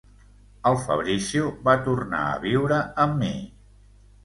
El Fabrizio va tornar a viure amb mi.